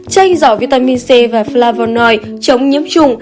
chanh giỏ vitamin c và flavonoid chống nhiễm trùng